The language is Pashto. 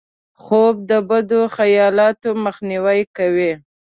خوب د بدو خیالاتو مخنیوی کوي